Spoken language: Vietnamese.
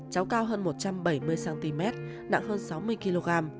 cháu cao hơn một trăm bảy mươi cm nặng hơn sáu mươi kg